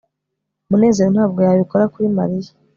munezero ntabwo yabikora kuri mariya